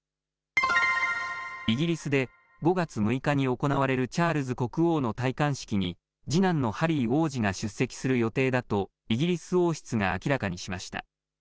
イギリスで５月６日に行われるチャールズ国王の戴冠式に次男のハリー王子が出席する予定だとイギリス王室が明らかにしました。